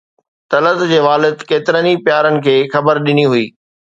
طلعت جي والد ڪيترن ئي پيارن کي خبر ڏني هئي.